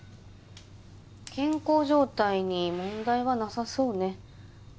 健康状態に問題はなさそうね。